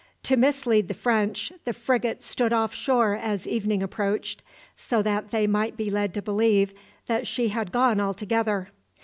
To mislead the French, the frigate stood off shore as evening approached, so that they might be led to believe that she had gone altogether.